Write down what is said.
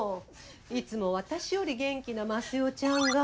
いつも私より元気な益代ちゃんが。